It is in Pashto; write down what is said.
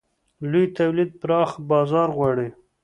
لوی تولید پراخه بازار غواړي.